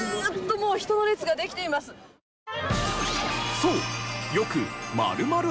そう。